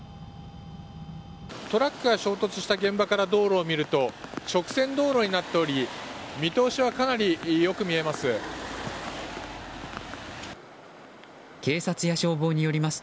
トラックが衝突した現場から道路を見ると直線道路になっており、見通しはかなり良く見えます。